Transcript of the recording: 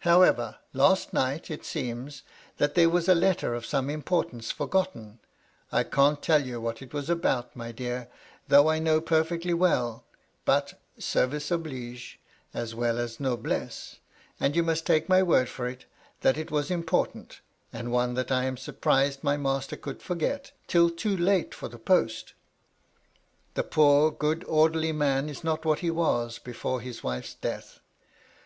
However, last night, it seems that there was a letter of some importance forgotten (I can't tell you what it was about, my dear, though I 246 itr LADY LUDLOW. know perfectly well, but 'service oblige^' as well as ' noblesse/ and you must take my word for it that it was important, and one that I am surprised mty master could forget), till too late for the post. (The poor, good, orderly man is not what he was before his wife's death.)